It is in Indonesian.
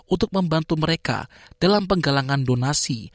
untuk membantu mereka dalam penggalangan donasi